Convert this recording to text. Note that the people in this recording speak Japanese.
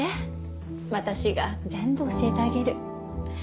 私が全部教えてあげる。